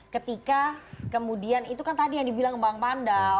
ketika kemudian itu kan tadi yang dibilang bang pandal